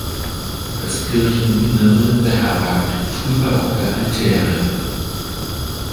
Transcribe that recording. Das Kircheninnere beherbergt frühbarocke Altäre.